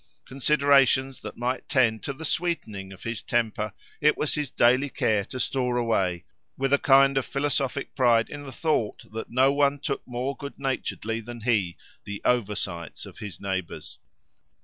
Considerations that might tend to the sweetening of his temper it was his daily care to store away, with a kind of philosophic pride in the thought that no one took more good naturedly than he the "oversights" of his neighbours.